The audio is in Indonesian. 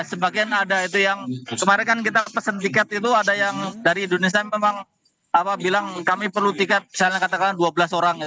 sebagian ada itu yang kemarin kan kita pesen tiket itu ada yang dari indonesia memang bilang kami perlu tiket misalnya katakanlah dua belas orang ya